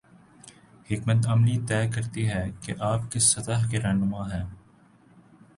حکمت عملی طے کرتی ہے کہ آپ کس سطح کے رہنما ہیں۔